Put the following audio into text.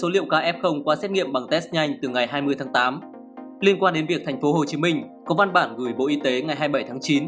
liên quan đến việc tp hcm có văn bản gửi bộ y tế ngày hai mươi bảy tháng chín